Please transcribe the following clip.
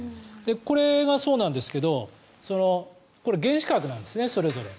これがそうなんですけど原子核なんですね、それぞれ。